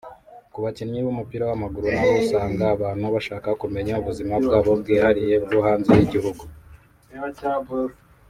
Ku bakinnyi b’umupira w’amaguru nabo usanga abantu bashaka kumenya ubuzima bwabo bwihariye bwo hanze y’ikibugu